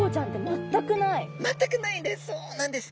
全くないんです。